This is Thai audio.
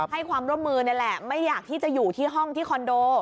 ให้ความร่วมมือนี่แหละไม่อยากที่จะอยู่ที่ห้องที่คอนโด